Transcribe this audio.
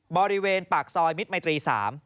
บริเวณปากซอยมิตรมัยตรี๓